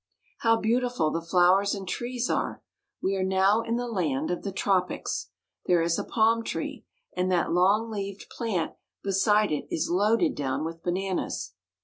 How beautiful the flowers and trees are ! We are now in the land of the tropics. There is a palm tree ; and that long leaved plant beside it is loaded down with bananas.